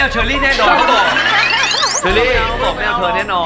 มาต้องอย่างนี้สิเพื่อน